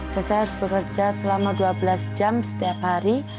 dan saya harus bekerja selama dua belas jam setiap hari